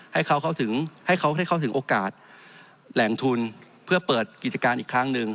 ให้เขาให้เข้าถึงโอกาสแหล่งทุนเพื่อเปิดกิจการอีกครั้งหนึ่ง